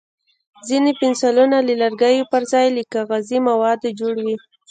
ځینې پنسلونه د لرګیو پر ځای له کاغذي موادو جوړ وي.